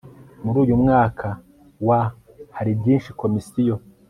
Muri uyu mwaka wa hari byinshi Komisiyo